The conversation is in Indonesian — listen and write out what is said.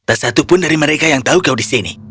tak satupun dari mereka yang tahu kau di sini